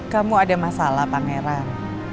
kamu ada masalah pangeran